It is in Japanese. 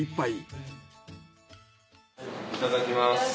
いただきます。